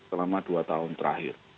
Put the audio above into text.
selama dua tahun terakhir